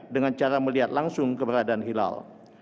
dengan cara melihat langsung keberadaan hilal